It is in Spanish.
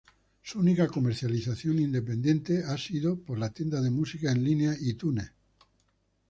Su única comercialización independiente ha sido por la tienda de música en línea iTunes.